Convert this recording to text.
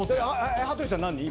羽鳥さん何人？